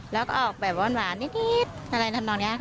แล้วก็ออกแบบหวานนิดอะไรทำนองนี้ค่ะ